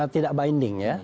tidak binding ya